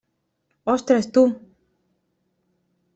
Ostres, tu!